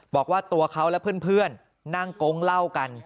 บอกว่าตัวเขาและเพื่อนนั่งโก๊งเล่ากัน